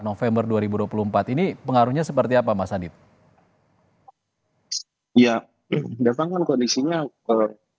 november dua ribu dua puluh empat ini pengaruhnya seperti apa mas adit ya mendatangkan kondisinya kalau